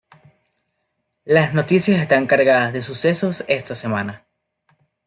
Las noticias están cargadas de sucesos esta semana